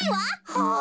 はあ。